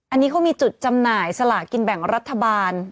อันนี้เขามีจุดจำหน่ายสลากินแบ่งรัฐบาล